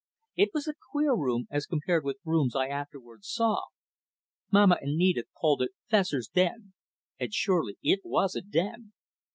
It was a queer room, as compared with rooms I afterwards saw. Mamma and Edith called it Fessor's "den," and surely it was a den.